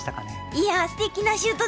いやすてきなシュートでした。